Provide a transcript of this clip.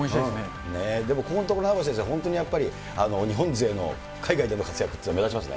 でもここんところ、名越先生、本当にやっぱり、日本勢の海外での活躍って目立ちますね。